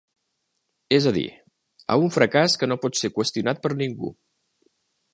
És a dir, a un fracàs que no pot ser qüestionat per ningú.